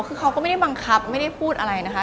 คือเขาก็ไม่ได้บังคับไม่ได้พูดอะไรนะคะ